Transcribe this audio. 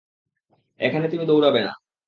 এখানে তুমি দৌড়াবে না!